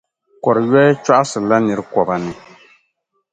kɔr’ yoya chɔɣisirila nir’ kɔba ni.